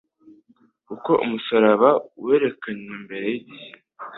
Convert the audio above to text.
Uko umusaraba werekanywe mbere y'igihe